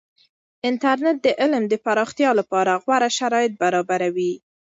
انټرنیټ د علم د پراختیا لپاره غوره شرایط برابروي.